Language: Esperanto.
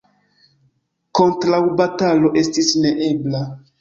Kontraŭbatalo estis neebla.